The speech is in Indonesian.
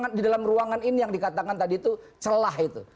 karena di dalam ruangan ini yang dikatakan tadi itu celah itu